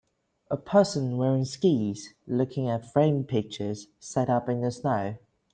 A person wearing skis looking at framed pictures set up in the snow.